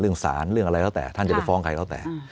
เรื่องสารเรื่องอะไรแล้วแต่